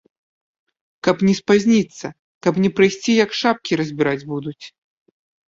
Каб не спазніцца, каб не прыйсці, як шапкі разбіраць будуць.